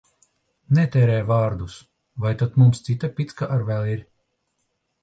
Netērē vārdus! Vai tad mums cita picka ar vēl ir?